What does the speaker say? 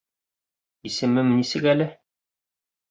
Исемем нисек әле?